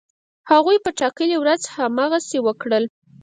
هغوی په ټاکلې ورځ هغسی وکړل.